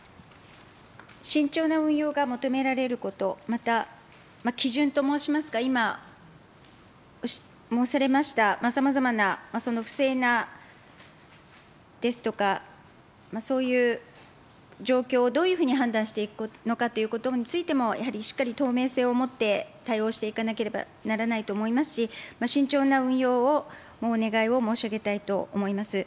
慎重な運用が求められること、また、基準と申しますか、今申されましたさまざまな、その不正なですとか、そういう状況をどういうふうに判断していくのかということについても、やはりしっかり透明性をもって対応していかなければならないと思いますし、慎重な運用をお願いを申し上げたいと思います。